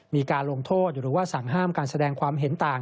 มีการลงโทษหรือว่าสั่งห้ามการแสดงความเห็นต่าง